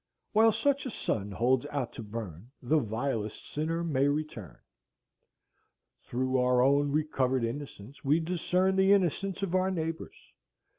While such a sun holds out to burn, the vilest sinner may return. Through our own recovered innocence we discern the innocence of our neighbors.